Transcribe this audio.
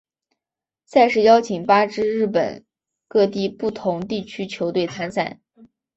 赛事邀请八支日本各地不同地区球队参赛。